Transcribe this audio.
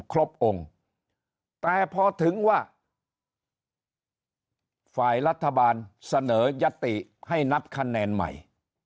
ครบองค์แต่พอถึงว่าฝ่ายรัฐบาลเสนอยัตติให้นับคะแนนใหม่